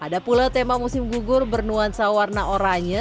ada pula tema musim gugur bernuansa warna oranye